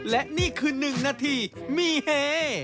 และนี่คือ๑นาทีมีเฮ